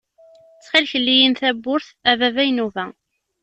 Ttxil-k lli-yi-n tawwurt a baba Inuba.